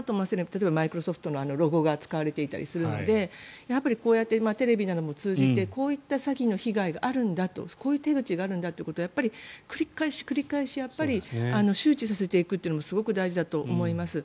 例えばマイクロソフトのロゴが使われていたりするのでこうやってテレビなども通じてこういった詐欺の被害があるんだとこういう手口があるんだということをやっぱり繰り返し繰り返し周知させていくのもすごく大事だと思います。